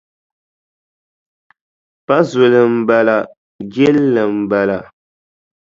Pa zuli m-bala jilli m-bala.